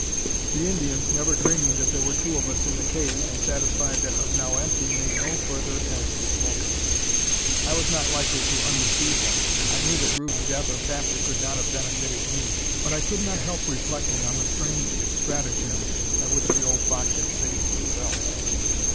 The Indians, never dreaming that there were two of us in the cave, and satisfied that it was now empty, made no further attempts to smoke it. I was not likely to undeceive them. I knew that Rube's death or capture could not have benefited me; but I could not help reflecting on the strange stratagem by which the old fox had saved himself.